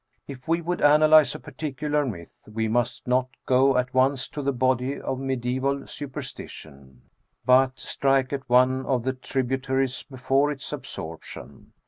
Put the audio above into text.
If we would analyse a particular myth, we must not go at once to the body of mediaBval superstition, but strike at one of the tributaries before its absorption.